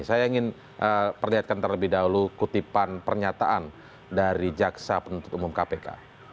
saya ingin perlihatkan terlebih dahulu kutipan pernyataan dari jaksa penuntut umum kpk